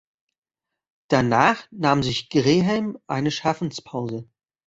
Danach nahm sich Graham eine Schaffenspause.